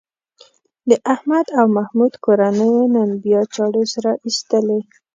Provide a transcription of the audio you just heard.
د احمد او محمود کورنیو نن بیا چاړې سره ایستلې.